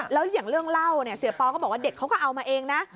แล้วอย่างเรื่องเล่าเนี่ยเสียปอก็บอกว่าเด็กเขาก็เอามาเองนะ